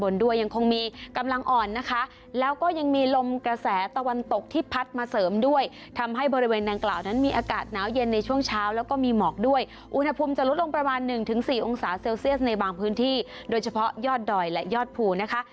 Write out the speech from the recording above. แล้วก็มีหมอกด้วยอุณหภูมิจะลดลงประมาณ๑๔องศาเซลเซียสในบางพื้นที่โดยเฉพาะยอดดอยและยอดภูนะคะ